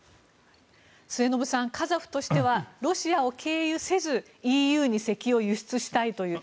末延さん、カザフとしてはロシアを経由せずＥＵに石油を輸出したいという。